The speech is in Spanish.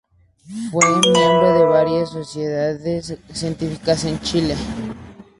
Fue miembro de varias sociedades científicas en Chile.